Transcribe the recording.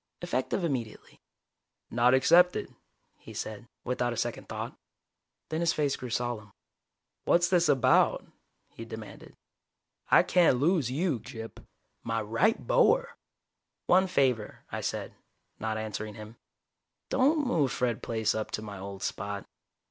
"Effective immediately." "Not accepted," he said, without a second thought. Then his face grew solemn. "What's this about?" he demanded. "I can't lose you, Gyp. My right bower!" "One favor," I said, not answering him. "Don't move Fred Plaice up to my old spot.